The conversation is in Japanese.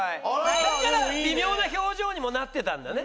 だから微妙な表情にもなってたんだね。